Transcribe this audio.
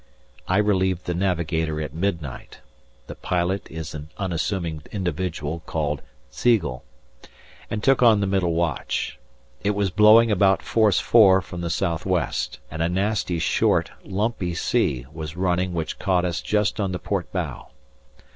I relieved the navigator at midnight (the pilot is an unassuming individual called Siegel) and took on the middle watch. It was blowing about force 4 from the south west, and a nasty short, lumpy sea was running which caught us just on the port bow.